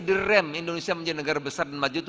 the rem indonesia menjadi negara besar dan maju itu